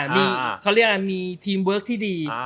มีเขาเรียกว่ามีทีมเวิร์คที่ดี